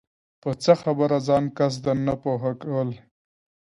په څۀ خبره ځان قصداً نۀ پوهه كول